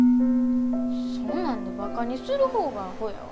そんなんでバカにする方がアホやわ。